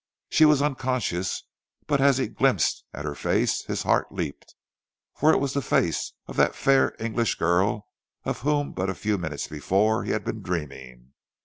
She was unconscious, but as he glimpsed at her face, his heart leaped, for it was the face of that fair English girl of whom but a few minutes before he had been dreaming.